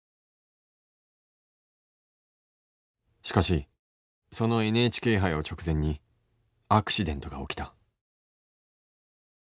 しかしそのＮＨＫ杯を直前にアクシデントが起きた。